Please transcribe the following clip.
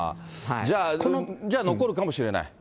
じゃあ、残るかもしれない？